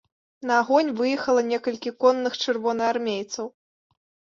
На агонь выехала некалькі конных чырвонаармейцаў.